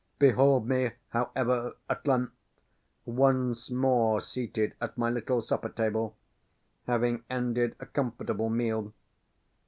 Behold me, however, at length once more seated at my little supper table, having ended a comfortable meal.